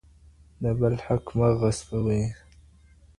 د بل حق مه غصبوئ.